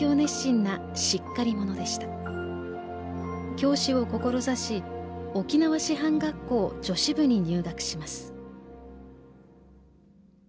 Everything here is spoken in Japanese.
教師を志し沖縄師範学校女子部に入学します。